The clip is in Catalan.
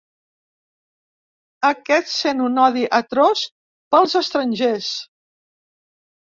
Aquest sent un odi atroç pels estrangers.